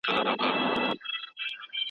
د خلګو ذوق باید په ښه لوري رهبري سي.